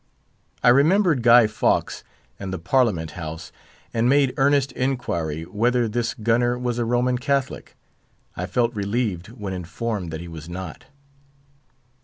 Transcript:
I remembered Guy Fawkes and the Parliament house, and made earnest inquiry whether this gunner was a Roman Catholic. I felt relieved when informed that he was not.